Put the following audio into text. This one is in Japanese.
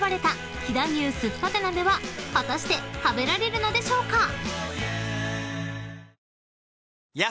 たて鍋は果たして食べられるのでしょうか］